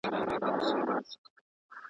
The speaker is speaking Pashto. قلمي خط د خلګو د ویښولو لپاره کارول کیدای سي.